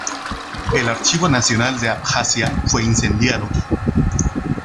El Archivo Nacional de Abjasia fue incendiado.